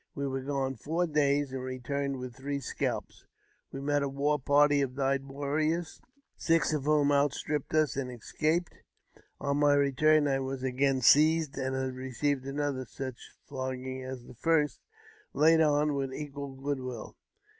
We were gone four days, and returned with three scalps. We met a war party of nine warriors, six of whom outstripped us and escaped. On my return I was again seized, and received another such a flogging as the first, laid on with equal good will.